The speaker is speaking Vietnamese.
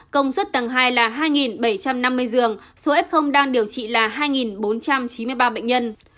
công suất tầng hai là hai bảy trăm năm mươi giường số f đang điều trị là hai bốn trăm chín mươi ba bệnh nhân